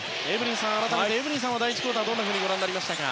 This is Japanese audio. エブリンさんは第１クオーターどうご覧になりましたか。